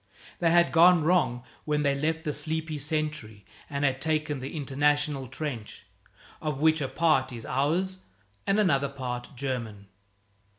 They had gone wrong when they left the sleepy sentry and had taken the International Trench, of which a part is ours and another part German.